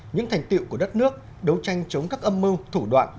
những thành tiệu của đất nước đấu tranh chống các âm mưu thủ đoạn